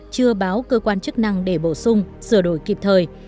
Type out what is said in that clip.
chưa báo cơ quan chức năng để bổ sung sửa đổi kịp thời